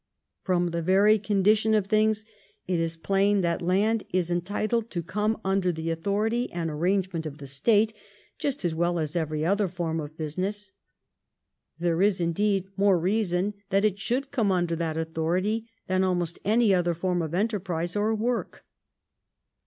From the very condition of things it is plain that land is entitled to come under the authority and IRISH STATE CHURCH AND LAND TENURE 275 arrangement of the State, just as well as every other form of business. There is, indeed, more reason that it should come under that authority than almost any other form of enterprise or work.